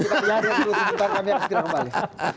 bukan kami yang kesukiran kembali